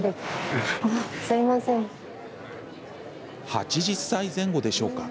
８０歳前後でしょうか。